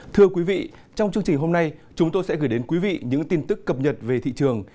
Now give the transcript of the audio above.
thưa quý vị trong chương trình hôm nay chúng tôi sẽ gửi đến quý vị những tin tức cập nhật về thị trường